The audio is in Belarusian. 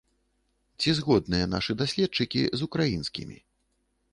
Ці згодныя нашы даследчыкі з украінскімі?